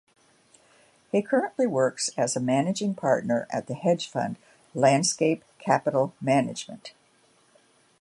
He currently works as a managing partner at the hedge fund Landscape Capital Management.